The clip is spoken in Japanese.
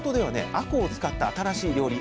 あこうを使った新しい料理